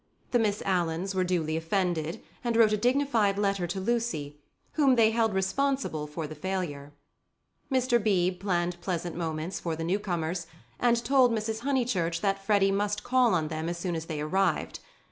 The Miss Alans were duly offended, and wrote a dignified letter to Lucy, whom they held responsible for the failure. Mr. Beebe planned pleasant moments for the new comers, and told Mrs. Honeychurch that Freddy must call on them as soon as they arrived.